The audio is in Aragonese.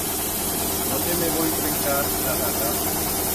No que me voi trencar la garra!